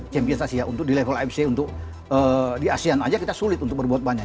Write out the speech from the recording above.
champions asia untuk di level afc untuk di asean aja kita sulit untuk berbuat banyak